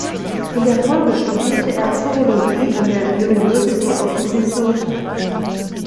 In der Folge studierte er Zoologie an der University of Minnesota.